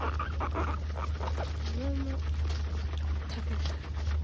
桃食べたい。